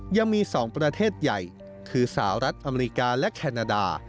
ยังมี๒ประเทศใหญ่คือสหรัฐอเมริกาและแคนาดา